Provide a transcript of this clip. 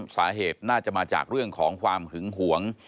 สาเหตุน่าจะมาจากเรื่องของความหึงหวง